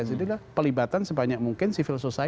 jadi lah pelibatan sebanyak mungkin civil society